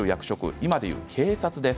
今でいう警察です。